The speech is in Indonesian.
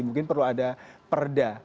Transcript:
mungkin perlu ada perda